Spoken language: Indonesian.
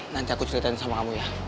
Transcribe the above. nanti aku curian sama kamu ya